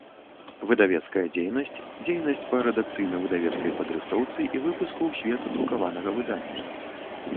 Выдавецкая дзейнасць – дзейнасць па рэдакцыйна-выдавецкай падрыхтоўцы i выпуску ў свет друкаванага выдання.